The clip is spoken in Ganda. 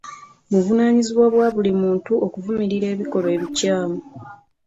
Buvunaanyizibwa bwa buli muntu okuvumirira ebikolwa ebikyamu.